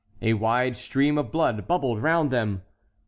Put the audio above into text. A wide stream of blood bubbled round them.